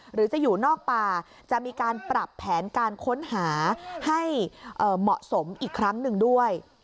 หรือจะอยู่นอกป่าจะมีการปรับแผนการค้นหาให้เหมาะสมอีกครั้งหนึ่งด้วย